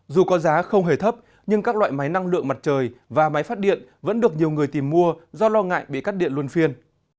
dù có giá không hề thấp nhưng các loại máy năng lượng mặt trời và máy phát điện vẫn được nhiều người tìm mua do lo ngại bị cắt điện luân phiên